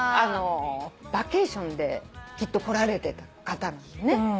バケーションできっと来られてた方なのね。